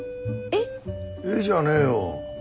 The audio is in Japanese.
えっじゃねえよ。